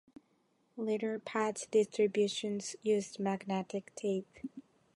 Later patch distributions used magnetic tape.